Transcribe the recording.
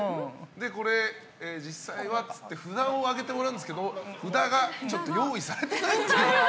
これ、実際は？といって札を上げてもらうんですけど札が用意されていないという。